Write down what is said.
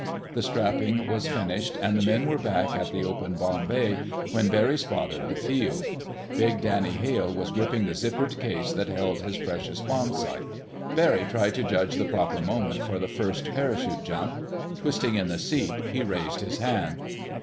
The strapping was finished, and the men were back at the open bomb bay when Barry spotted the field. Big Danny Hale was gripping the zippered case that held his precious bomb sight. Barry tried to judge the proper moment for the first parachute jump. Twisting in the seat, he raised his hand.